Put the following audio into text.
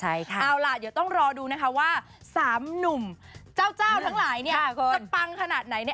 เอาล่ะเดี๋ยวต้องรอดูนะคะว่า๓หนุ่มเจ้าทั้งหลายเนี่ยจะปังขนาดไหนเนี่ย